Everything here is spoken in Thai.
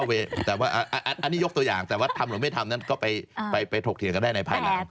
แต่ว่าอันนี้ยกตัวอย่างแต่ว่าทำหรือไม่ทำนั้นก็ไปถกเถียงกันได้ในภายหลัง